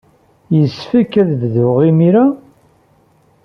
Yessefk ad bduɣ imir-a?